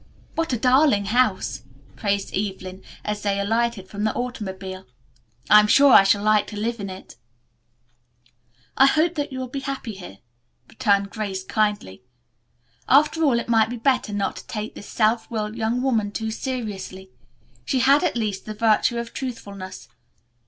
"What a darling house!" praised Evelyn as they alighted from the automobile. "I am sure I shall like to live in it." "I hope that you will be happy here," returned Grace kindly. After all it might be better not to take this self willed young woman too seriously. She had, at least, the virtue of truthfulness.